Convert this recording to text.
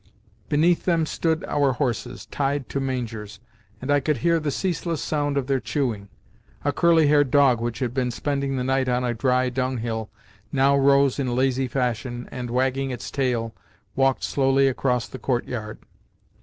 Beneath them stood our horses, tied to mangers, and I could hear the ceaseless sound of their chewing. A curly haired dog which had been spending the night on a dry dunghill now rose in lazy fashion and, wagging its tail, walked slowly across the courtyard.